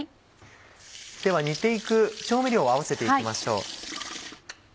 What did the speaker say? では煮て行く調味料を合わせて行きましょう。